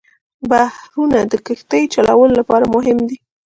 بحرونه د کښتۍ چلولو لپاره مهم دي.